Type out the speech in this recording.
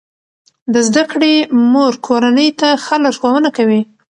د زده کړې مور کورنۍ ته ښه لارښوونه کوي.